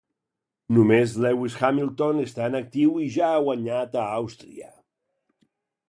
Només Lewis Hamilton està en actiu i ja ha guanyat a Àustria.